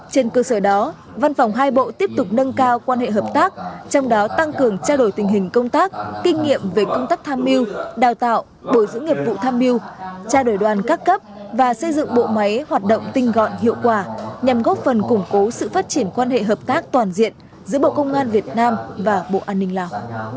trên cơ sở đó văn phòng hai bộ tiếp tục nâng cao quan hệ hợp tác trong đó tăng cường trao đổi tình hình công tác kinh nghiệm về công tác tham mưu đào tạo bồi dưỡng nghiệp vụ tham mưu trao đổi đoàn các cấp và xây dựng bộ máy hoạt động tinh gọn hiệu quả nhằm góp phần củng cố sự phát triển quan hệ hợp tác toàn diện giữa bộ công an việt nam và bộ an ninh lào